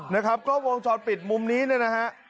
นะครับก็วงชอสปิดมุมนี้ด้วยนะฮะ